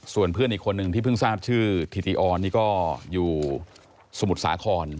ส่วนเพื่อนอีกคนนึงที่เพิ่งทราบชื่อธิติออนนี่ก็อยู่สมุทรสาคร